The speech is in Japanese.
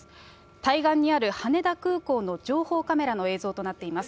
対岸にある羽田空港の情報カメラの映像となっています。